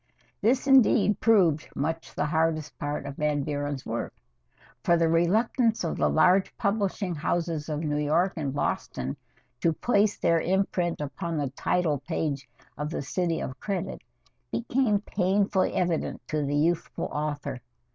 This indeed proved much the hardest part of Van Buren's work, for the reluctance of the large publishing houses of New York and Boston to place their imprint upon the title page of "The City of Credit" became painfully evident to the youthful author.